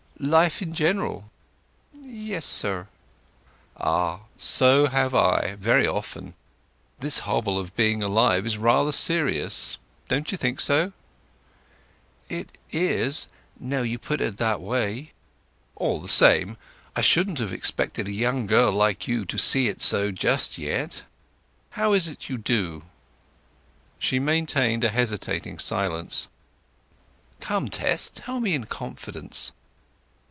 "Life in general?" "Yes, sir." "Ah—so have I, very often. This hobble of being alive is rather serious, don't you think so?" "It is—now you put it that way." "All the same, I shouldn't have expected a young girl like you to see it so just yet. How is it you do?" She maintained a hesitating silence. "Come, Tess, tell me in confidence."